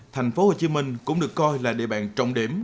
thành phố hồ chí minh cũng được coi là địa bàn trọng điểm